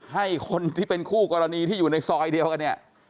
ให้คนที่เป็นคู่กรณีที่อยู่ในซอยเดียวกันเนี่ย